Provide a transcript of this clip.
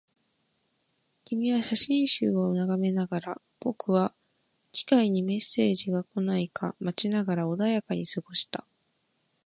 君は写真集を眺めながら、僕は機械にメッセージが来ないか待ちながら穏やかに過ごした